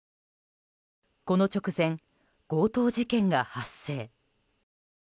この直前、強盗事件が発生。